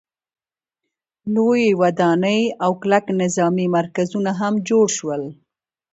لویې ودانۍ او کلک نظامي مرکزونه هم جوړ شول.